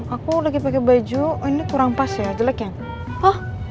aku lagi pakai baju ini kurang pas ya jelek ya